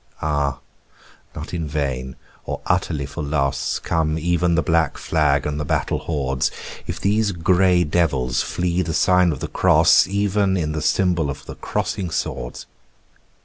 Ah, not in vain or utterly for loss Come even the black flag and the battle hordes, If these grey devils flee the sign of the cross Even in the symbol of the crossing swords.